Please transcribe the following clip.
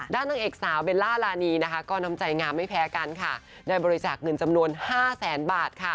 ด้านต่างเอกสาวเบลล่าลานีก่อนทำใจงามไม่แพ้กันได้บริจาคเงินจำนวน๕แสนบาท